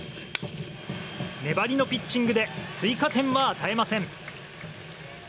粘りのピッチングで追加点は与えません。